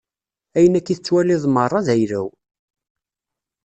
Ayen akka i tettwaliḍ meṛṛa, d ayla-w.